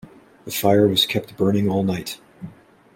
The fire was kept burning all night.